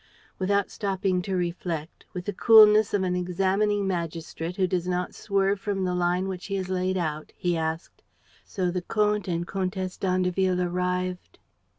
Without stopping to reflect, with the coolness of an examining magistrate who does not swerve from the line which he has laid out, he asked: "So the Comte and Comtesse d'Andeville arrived